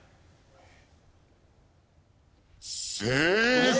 正解！